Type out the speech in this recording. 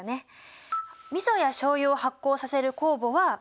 みそやしょうゆを発酵させる酵母は２３時間。